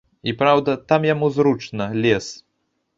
І праўда, там яму зручна, лес.